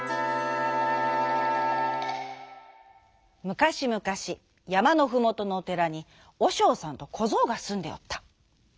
むかしむかしやまのふもとのおてらにおしょうさんとこぞうがすんでおった。